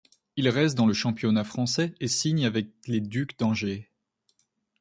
Il reste dans le championnat français et signe avec les Ducs d'Angers.